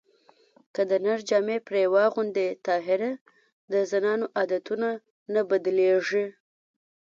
که د نر جامې پرې واغوندې طاهره د زنانو عادتونه نه بدلېږي